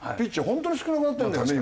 本当に少なくなったんだよね